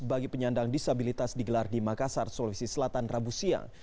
bagi penyandang disabilitas digelar di makassar sulawesi selatan rabu siang